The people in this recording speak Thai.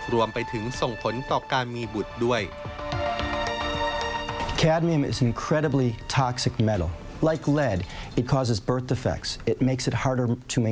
รวมไปถึงส่งผลต่อการมีบุตรด้วย